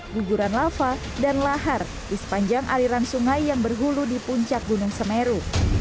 guguran lava dan lahar di sepanjang aliran sungai yang berhulu di puncak gunung semeru